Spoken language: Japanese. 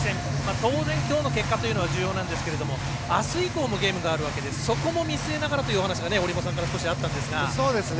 当然、きょうの結果というのは重要なんですけれどもあす以降もゲームがあるわけでそこも見据えながらという話が折茂さんから少しあったんですが。